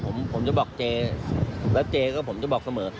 ผมจะบอกเจแล้วเจก็ผมจะบอกเสมอ